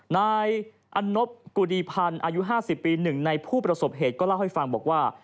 นายอันนบกุดีพันธ์อายุ๕๐ปี๑ในผู้ประสบเหตุก็เล่าให้ฟังบอกว่า